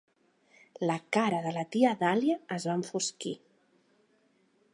La cara de la tia Dahlia es va enfosquir.